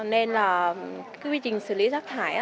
nên là quy trình xử lý rác thải